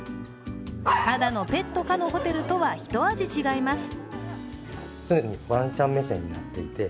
ただのペット可のホテルとはひと味違います。